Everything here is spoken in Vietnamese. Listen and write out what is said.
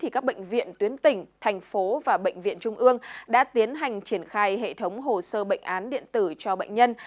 các bệnh viện tuyến tỉnh thành phố và bệnh viện trung ương đã tiến hành triển khai hệ thống hồ sơ bệnh án điện tử cho bệnh nhân